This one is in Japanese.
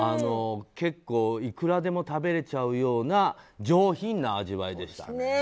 結構、いくらでも食べれちゃうような上品な味わいでしたね。